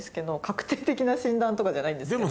確定的な診断とかじゃないんですけど。